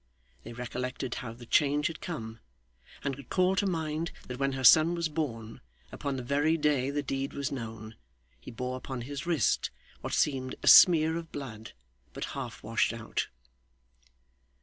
They recollected how the change had come, and could call to mind that when her son was born, upon the very day the deed was known, he bore upon his wrist what seemed a smear of blood but half washed out.